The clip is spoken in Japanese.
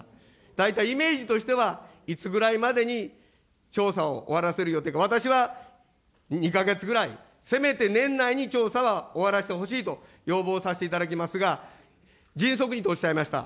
大体、イメージとしては、いつぐらいまでに調査を終わらせる予定か、私は、２か月ぐらい、せめて年内に調査は終わらせてほしいと要望させていただきますが、迅速にとおっしゃいました。